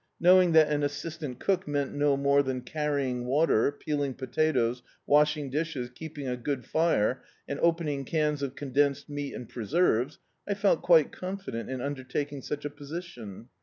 Knowing that an assistant cook meant no more than carrying water, peeling potatoes, washing dishes, keeping a good fire and opening cans of condensed meat and preserves — I felt quite confident in undertaking such a po sition.